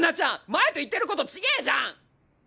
前と言ってること違えじゃん！